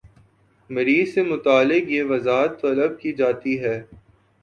مریض سے متعلق یہ وضاحت طلب کی جاتی ہے